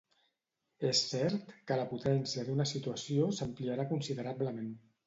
És cert que la potència d'una situació s'ampliarà considerablement